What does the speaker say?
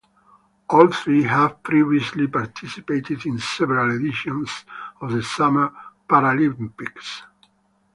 All three have previously participated in several editions of the Summer Paralympics.